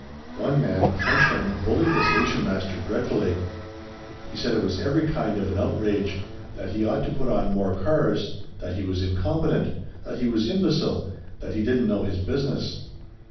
One man, a Frenchman, bullied the station master dreadfully. He said it was every kind of an outrage; that he ought to put on more cars; that he was incompetent; that he was imbecile; that he didn't know his business.